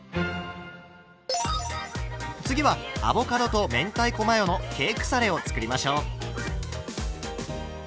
次はアボカドと明太子マヨのケークサレを作りましょう。